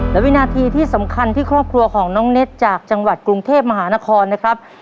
และวินาทีที่สำคัญที่ครอบครัวของน้องเน็ตจากจังหวัดกรุงเทพมหานครนะครับ